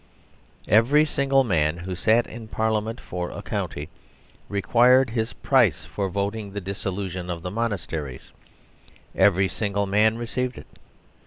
Every single man who sat in Parliament for a country required his price for voting the dissolu tion of the monasteries ; every single man received it.